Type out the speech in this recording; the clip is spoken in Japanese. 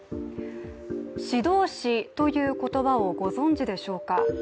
指導死という言葉をご存じでしょうか。